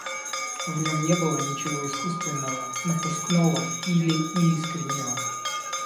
В нем не было ничего искусственного, напускного или неискреннего.